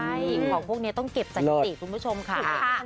ใช่ของพวกนี้ต้องเก็บสถิติคุณผู้ชมค่ะ